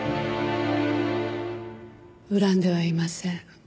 恨んではいません。